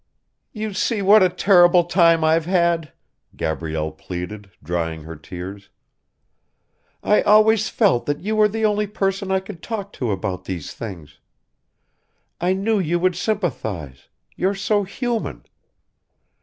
"You see what a terrible time I've had," Gabrielle pleaded, drying her tears. "I always felt that you were the only person I could talk to about these things. I knew you would sympathize ... you're so human.